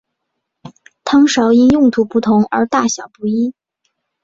汤勺因用途不同而大小不一。